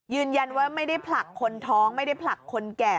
ยืนยันว่าไม่ได้ผลักคนท้องไม่ได้ผลักคนแก่